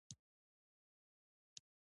افغانستان د تاریخ د ترویج لپاره پروګرامونه لري.